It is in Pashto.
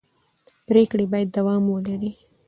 پرېکړې باید دوام ولري